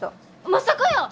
まさかやー！